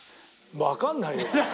わかんないよ。